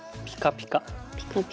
ピカピカ。